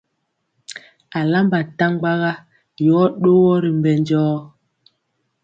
Alamba ntaɓaga yɔ ɗogɔ ri mbɛ jɔɔ.